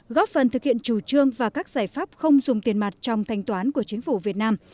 góp phần thực hiện chủ trương và các giải pháp không dùng tiền mặt trong thanh toán của chính phủ việt nam